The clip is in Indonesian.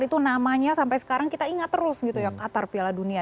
itu namanya sampai sekarang kita ingat terus gitu ya qatar piala dunia